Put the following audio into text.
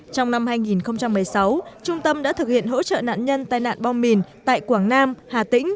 trong năm hai nghìn một mươi sáu trung tâm đã thực hiện hỗ trợ nạn nhân tai nạn bom mìn tại quảng nam hà tĩnh